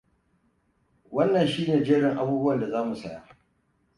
Wannan shi ne jerin abubuwan da za mu saya.